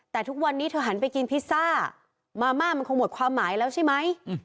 แต่ทุกวันนี้เธอหันไปกินพิซซ่ามาม่ามันคงหมดความหมายแล้วใช่ไหม